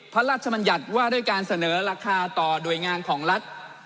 พระราชมัญญัติว่าด้วยการเสนอราคาต่อโดยงานของรัฐ